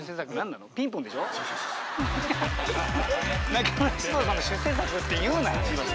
中村獅童さんの出世作って言うな。